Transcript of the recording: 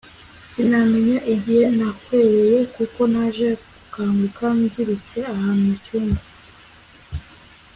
sinamenya igihe nahwereye kuko naje gukanguka nziritse ahantu mucyumba